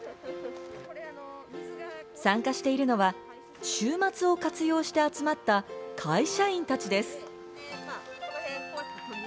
参加しているのは週末を活用して集まった会社員たちです。